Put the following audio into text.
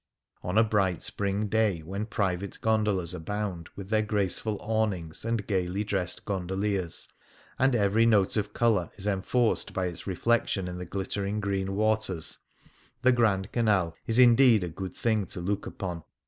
On a bright spring day when private gondolas abound, with their graceful awnings and gaily dressed gondoliers, and every note of colour is enforced by its reflection in the glitter ing green waters, the Grand Canal is indeed a good thing to look upon.